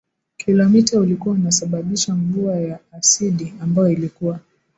kilomita ulikuwa unasababisha mvua ya asidi ambayo ilikuwa